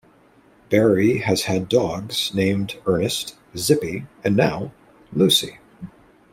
Barry has had dogs named Earnest, Zippy, and now Lucy.